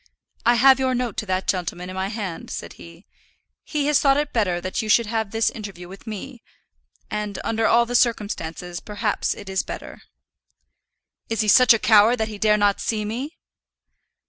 "I have your note to that gentleman in my hand," said he. "He has thought it better that you should have this interview with me; and under all the circumstances perhaps it is better." "Is he such a coward that he dare not see me?"